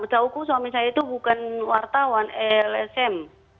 setahuku suami saya itu bukan wartawan lsm